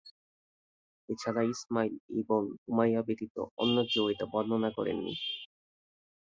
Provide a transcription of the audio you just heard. এছাড়া Ismail ibn Umayya ব্যতীত অন্য কেউ এটা বর্ণনা করেননি।